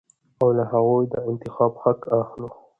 او له هغوى د انتخاب حق اخلو.